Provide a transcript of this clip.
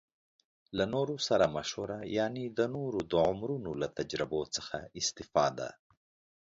له نورو سره مشوره يعنې د نورو د عمرونو له تجربو څخه استفاده